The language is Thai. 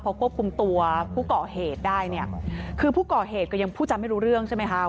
พอควบคุมตัวผู้ก่อเหตุได้เนี่ยคือผู้ก่อเหตุก็ยังพูดจำไม่รู้เรื่องใช่ไหมคะ